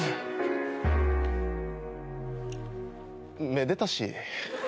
めでたし。